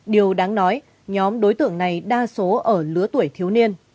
điều đáng nói nhóm đối tượng này đa số ở lứa tuổi thiếu niên